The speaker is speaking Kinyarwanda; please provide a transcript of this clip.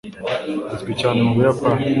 azwi cyane mu buyapani